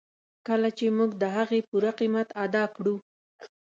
کله چې موږ د هغې پوره قیمت ادا کړو.